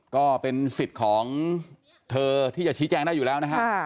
ก็เป็นสิทธิ์ของเธอที่จะชี้แจงได้อยู่แล้วนะฮะ